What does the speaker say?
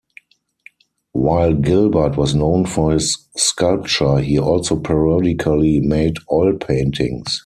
While Gilbert was known for his sculpture, he also periodically made oil paintings.